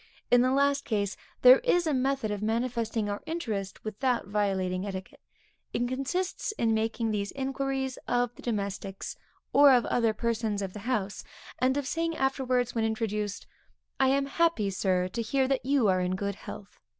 In the last case, there is a method of manifesting our interest, without violating etiquette; it consists in making these inquiries of the domestics, or of other persons of the house, and of saying afterwards when introduced; 'I am happy Sir, to hear that you are in good health.'